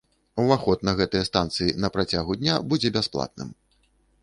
Уваход на гэтыя станцыі на працягу дня будзе бясплатным.